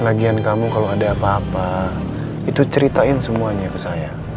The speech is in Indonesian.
lagian kamu kalau ada apa apa itu ceritain semuanya ke saya